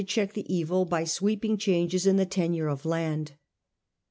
check the evil by sweeping changes in the Gracchi tenure of land.